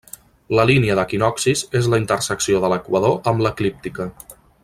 La Línia d'equinoccis és la intersecció de l'Equador amb l'Eclíptica.